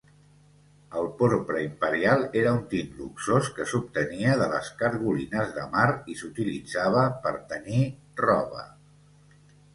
El porpra imperial era un tint luxós que s'obtenia de les cargolines de mar i s'utilitzava per tenyir roba.